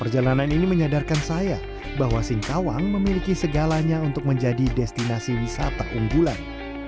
perjalanan ini menyadarkan saya bahwa singkawang memiliki segalanya untuk menjadi destinasi wisata unggulan